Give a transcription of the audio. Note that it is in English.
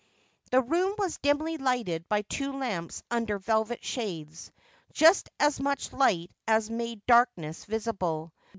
The room was dimly lighted by two lamps under velvet shades — just as much light as made darkness visible.